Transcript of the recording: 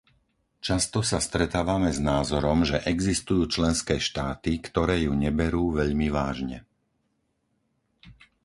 Často sa stretávame s názorom, že existujú členské štáty, ktoré ju neberú veľmi vážne.